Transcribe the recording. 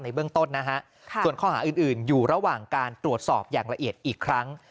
เบื้องต้นนะฮะส่วนข้อหาอื่นอยู่ระหว่างการตรวจสอบอย่างละเอียดอีกครั้ง